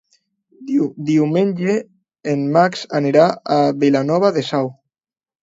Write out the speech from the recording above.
Diumenge en Max anirà a Vilanova de Sau.